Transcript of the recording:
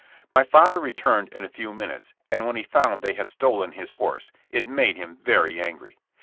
My father returned in a few minutes, and when he found they had stolen his horse it made him very angry.